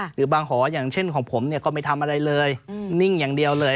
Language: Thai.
หรือบางหออย่างเช่นของผมเนี่ยก็ไม่ทำอะไรเลยนิ่งอย่างเดียวเลย